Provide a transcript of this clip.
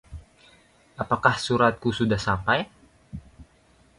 apakah suratku sudah sampai?